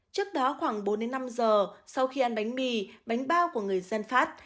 trước đó khoảng bốn năm giờ sau khi ăn bánh mì bánh bao của người dân phát